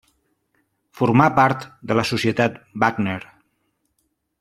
Formà part de la Societat Wagner.